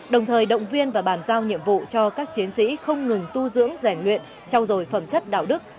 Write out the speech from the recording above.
đồng thời động viên và bàn giao nhiệm vụ cho các chiến sĩ không ngừng tu dưỡng rèn luyện trao dồi phẩm chất đạo đức